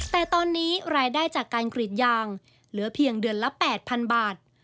แต่ตอนนี้รายได้จากการกรีดยางเหลือเพียงเดือนละ๘๐๐๐บาท